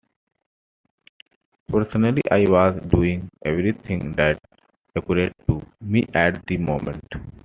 Personally I was doing everything that occurred to me at the moment.